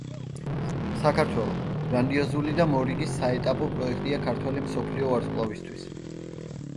საქართველო – გრანდიოზული და მორიგი საეტაპო პროექტია ქართველი მსოფლიო ვარსკვლავისთვის.